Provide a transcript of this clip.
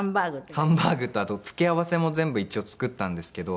ハンバーグとあと付け合わせも全部一応作ったんですけど。